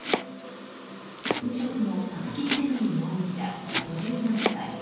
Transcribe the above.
無職の佐々木秀文容疑者、５７歳。